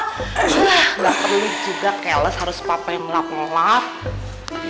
gak perlu juga keles harus papa yang ngelap ngelap